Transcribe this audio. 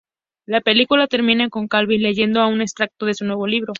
La película termina con Calvin leyendo un extracto de su nuevo libro.